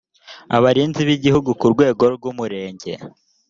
abarinzi b igihango ku rwego rw umurenge